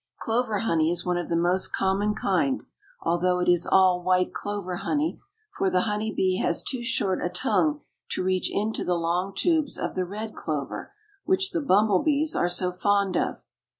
Clover honey is one of the most common kind, although it is all white clover honey, for the honey bee has too short a tongue to reach into the long tubes of the red clover which the bumble bees are so fond of.